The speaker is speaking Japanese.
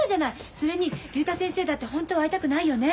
それに竜太先生だって本当は会いたくないよね？